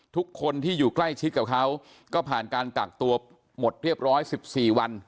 ทุกคนที่อยู่ใกล้ชิดกับเขาก็ผ่านการกักตัวหมดเรียบร้อย๑๔วัน